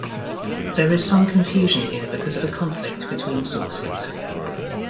There is some confusion here because of a conflict between sources.